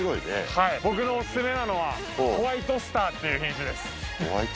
はい僕のオススメなのはホワイトスターっていう品種です